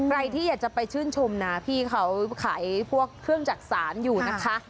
ใครที่อยากจะไปชื่นชมนะพี่เขาขายพวกเครื่องจักษานอยู่นะคะ